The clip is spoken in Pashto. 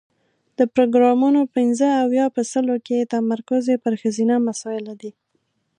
د پروګرامونو پنځه اویا په سلو کې تمرکز یې پر ښځینه مسایلو دی.